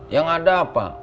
yang ada apa